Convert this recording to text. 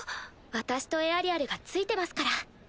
私とエアリアルが付いてますから。